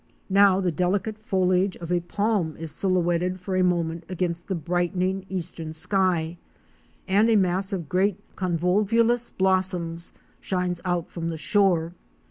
Now the delicate foliage of a palm is silhouetted for a moment against the brightening eastern sky, and a mass of great convolvulous blossoms shines out from the shore.